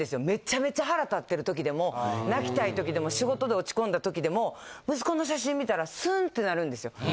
めちゃめちゃ腹立ってるときでも、泣きたいときでも、仕事で落ち込んだときでも、息子の写真見たら、すーんてなるんですよ。